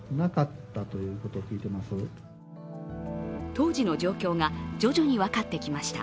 当時の状況が徐々に分かってきました。